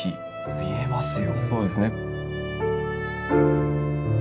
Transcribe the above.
見えますよ。